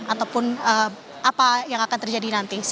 ataupun apa yang akan terjadi nanti